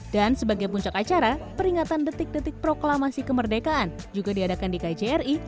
dan sebagai puncak acara peringatan detik detik proklamasi kemerdekaan juga diadakan di kjri